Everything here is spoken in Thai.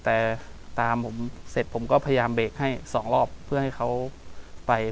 เก้ามาเป็นเก้าเดี๋ยวครูฟ้องค่ะเออจืดแล้วอย่างเงี้ย